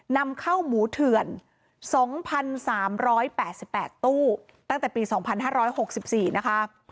นำเข้าหมูเถื่อน๒๓๘๘ตู้ตั้งแต่ปี๒๕๖๔นะคะ